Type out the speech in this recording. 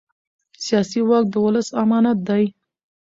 سیاسي واک د ولس امانت دی